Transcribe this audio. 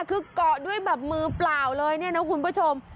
คือเกาะด้วยแบบมือเปล่าเลยเนี่ยนะคุณผู้ชม